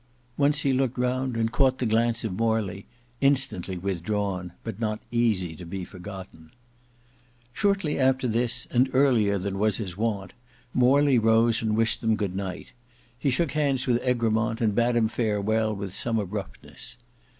Once he looked round and caught the glance of Morley, instantly withdrawn, but not easy to be forgotten. Shortly after this and earlier than his wont, Morley rose and wished them good night. He shook hands with Egremont and bade him farewell with some abruptness.